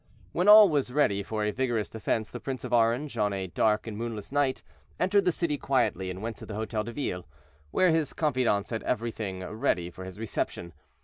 When all was ready for a vigorous defense, the Prince of Orange, on a dark and moonless night, entered the city quietly, and went to the Hotel de Ville, where his confidants had everything ready for his reception.